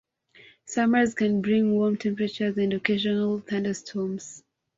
Summers can bring warm temperatures and occasional thunderstorms.